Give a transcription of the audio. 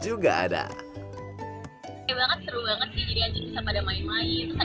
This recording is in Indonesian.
seru banget sih jadi anjing bisa pada main main terus ada poolnya juga jadi lebih nyansar